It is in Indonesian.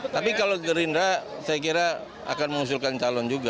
tapi kalau gerindra saya kira akan mengusulkan calon juga